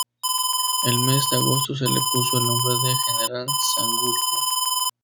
En el mes de agosto se le puso el nombre de "General Sanjurjo".